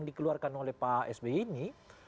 dikeluarkan oleh pak sby ini